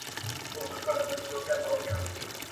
• غوړ پر غوړ توئېږي، نه پر تورو خاورو.